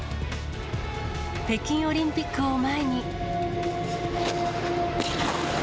北京オリンピックを前に。